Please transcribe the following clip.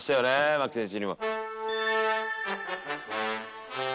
牧選手にも。